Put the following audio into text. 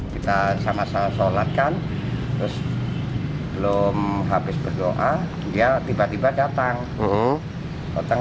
kita sama sama sholatkan terus belum habis berdoa dia tiba tiba datang